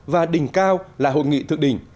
và đỉnh cao là hội nghị thực đỉnh